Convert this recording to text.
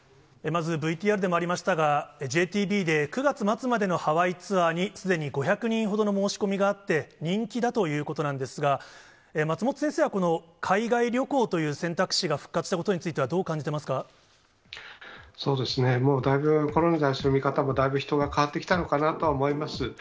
まず、ＶＴＲでもありましたが、ＪＴＢで、９月末までのハワイツアーにすでに５００人ほどの申し込みがあって、人気だということなんですが、松本先生はこの海外旅行という選択肢が復活したことについては、そうですね、だいぶ、コロナに対する見方も、だいぶ人が変わってきたのかなと思います。